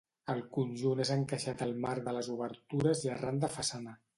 El conjunt és encaixat al marc de les obertures i arran de façana.